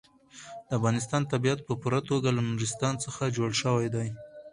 د افغانستان طبیعت په پوره توګه له نورستان څخه جوړ شوی دی.